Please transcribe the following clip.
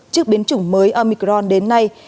trước biến chủng mới omicron đến nay